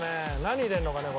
何入れるのかね？